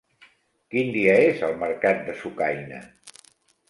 Quin dia és el mercat de Sucaina?